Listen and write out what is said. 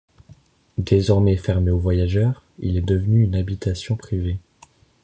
Désormais fermé aux voyageurs, il est devenu une habitation privée.